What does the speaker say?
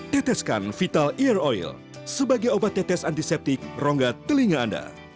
teteskan vital ear oil sebagai obat tetes antiseptik rongga telinga anda